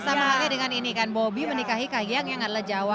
sama halnya dengan ini kan bobby menikahi kak hiang yang adalah jawa